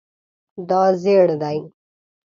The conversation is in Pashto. دا زیړ دی